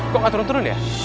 kok nggak turun turun ya